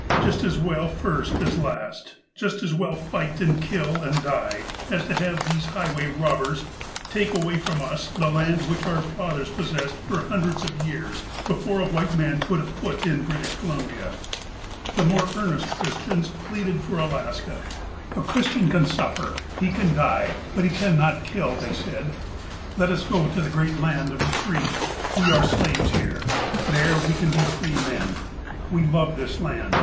"Just as well first as last. Just as well fight, and kill, and die, as to have these highway robbers take away from us the land which our fathers possessed for hun dreds of years before a white man put a foot in British Columbia." The more earnest Christians pleaded for Alaska : 287 288 THE APOSTLE OF ALASKA '' A Christian can suffer. He can die. But he cannot kill," they said. '' Let us go to the great laud of the free. 'We are slaves here. There we can be free men. We love this laud.